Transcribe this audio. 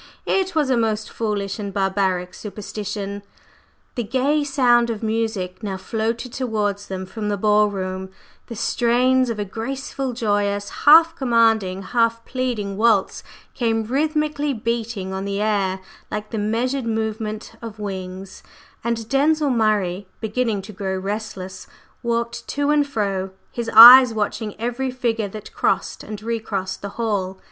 It was a most foolish and barbaric superstition." The gay sound of music now floated towards them from the ball room, the strains of a graceful, joyous, half commanding, half pleading waltz came rhythmically beating on the air like the measured movement of wings, and Denzil Murray, beginning to grow restless, walked to and fro, his eyes watching every figure that crossed and re crossed the hall.